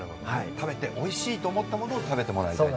食べておいしいと思ったものを食べてもらいたい。